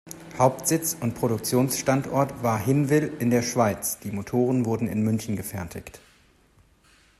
Hauptsitz und Produktionsstandort war Hinwil in der Schweiz, die Motoren wurden in München gefertigt.